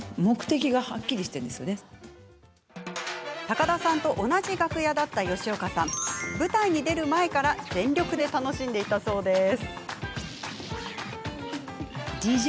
高田さんと同じ楽屋だった吉岡さん、舞台に出る前から全力で楽しんでいたそうです。